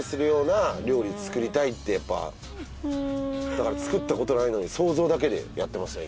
だから作ったことないのに想像だけでやってますよ